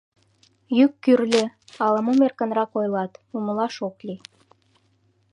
Йӱк кӱрльӧ: Ала-мом эркынрак ойлат, умылаш ок лий.